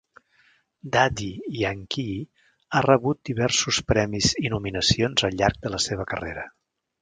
Daddy Yankee ha rebut diversos premis i nominacions al llarg de la seva carrera.